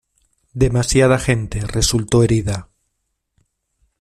Demasiada gente resulto herida.